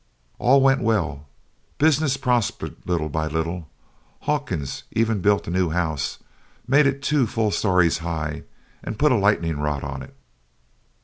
All went well: Business prospered little by little. Hawkins even built a new house, made it two full stories high and put a lightning rod on it.